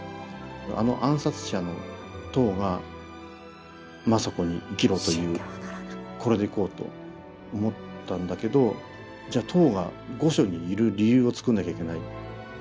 あの暗殺者のトウが政子に生きろと言うこれでいこうと思ったんだけどじゃあトウが御所にいる理由を作んなきゃいけない。